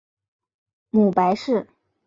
母白氏。